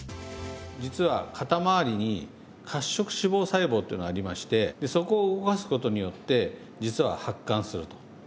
実は肩周りに「褐色脂肪細胞」っていうのがありましてそこを動かすことによって実は発汗すると。